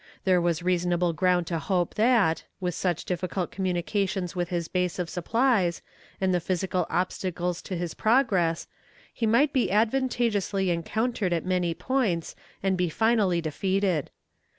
There was reasonable ground to hope that, with such difficult communications with his base of supplies, and the physical obstacles to his progress, he might be advantageously encountered at many points and be finally defeated.